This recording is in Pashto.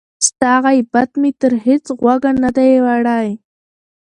ستا غیبت مي تر هیڅ غوږه نه دی وړی